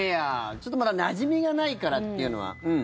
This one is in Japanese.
ちょっとまだなじみがないからっていうのは。